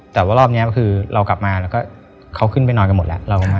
แต่ว่ารอบนี้คือเรากลับมาแล้วก็เขาขึ้นไปนอนกันหมดแล้ว